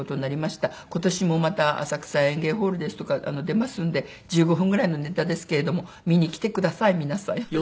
今年もまた浅草演芸ホールですとか出ますので１５分ぐらいのネタですけれども見に来てください皆さん。